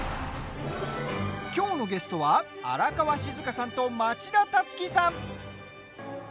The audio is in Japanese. きょうのゲストは荒川静香さんと町田樹さん。